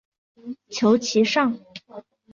求其上